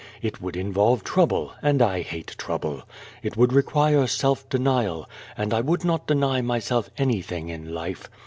It would involve trouble, and I hate trouble. It would require self denial, and I would not deny myself anything in life.